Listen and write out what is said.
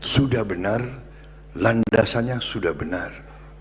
sudah benar landasannya sudah benar